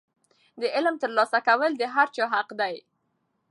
د علم ترلاسه کول د هر چا حق دی.